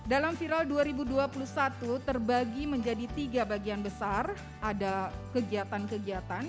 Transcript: dalam viral dua ribu dua puluh satu terbagi menjadi tiga bagian besar ada kegiatan kegiatan